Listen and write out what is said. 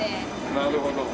なるほど。